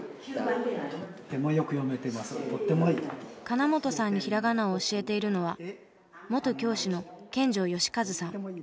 金本さんにひらがなを教えているのは元教師の見城慶和さん。